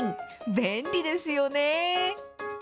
便利ですよね。